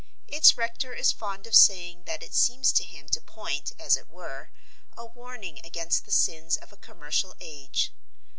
Its rector is fond of saying that it seems to him to point, as it were, a warning against the sins of a commercial age.